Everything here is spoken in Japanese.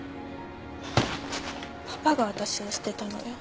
パパが私を捨てたのよ。